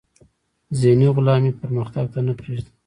ذهني غلامي پرمختګ ته نه پریږدي.